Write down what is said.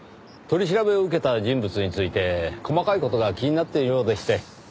取り調べを受けた人物について細かい事が気になっているようでして。